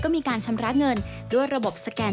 มีการชำระเงินด้วยระบบสแกน